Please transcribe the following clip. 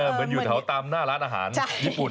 เหมือนอยู่แถวตามหน้าร้านอาหารญี่ปุ่น